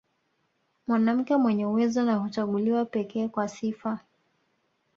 Mwanamke mwenye uwezo na huchaguliwa pekee kwa sifa